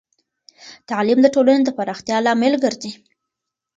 تعلیم د ټولنې د پراختیا لامل ګرځی.